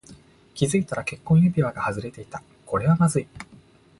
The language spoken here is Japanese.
気がついたら結婚指輪が外れていた。これはまずい。